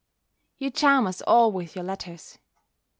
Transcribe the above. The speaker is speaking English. You charm us all with your letters.